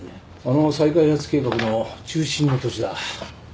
あの再開発計画の中心の土地だ。